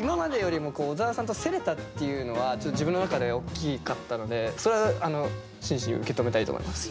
今までよりも小沢さんと競れたっていうのはちょっと自分の中で大きかったのでそれは真摯に受け止めたいと思います。